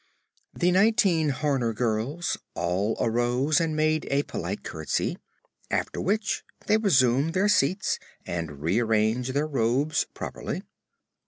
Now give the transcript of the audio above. The nineteen Horner girls all arose and made a polite curtsey, after which they resumed their seats and rearranged their robes properly.